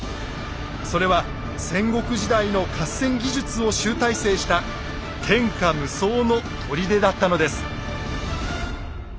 それは戦国時代の合戦技術を集大成した天下無双の砦だったのです。